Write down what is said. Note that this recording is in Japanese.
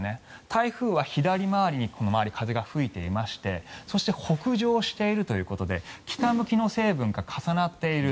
台風は左回りに風が吹いていましてそして北上しているということで北向きの成分が重なっている。